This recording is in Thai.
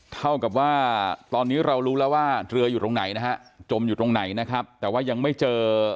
เท่ากับว่าตอนนี้เรารู้แล้วว่าเรืออยู่ตรงไหนนะฮะจมอยู่ตรงไหนนะครับแต่ว่ายังไม่เจอ